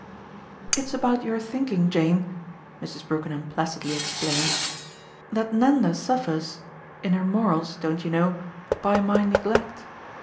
"It's about your thinking, Jane," Mrs. Brookenham placidly explained, "that Nanda suffers in her morals, don't you know? by my neglect.